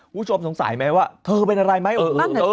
ผู้ชมสงสัยไหมว่าเธอเป็นอะไรไหมเอ่อเอ่อ